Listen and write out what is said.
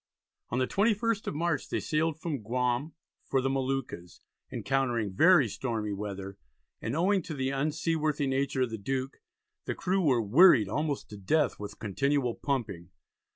On the 21st of March they sailed from Guam for the Moluccas, encountering very stormy weather, and owing to the unseaworthy nature of the Duke, the crew were "wearied almost to death with continual pumping."